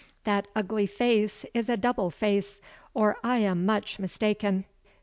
That ugly face is a double face, or I am much mistaken.